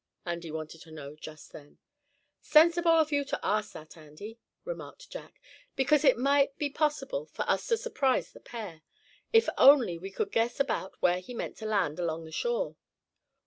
Andy wanted to know just then. "Sensible of you to ask that, Andy," remarked Jack, "because it might be possible for us to surprise the pair, if only we could guess about where he meant to land along the shore."